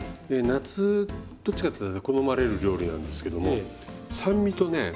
夏どっちかっていうと好まれる料理なんですけども酸味とね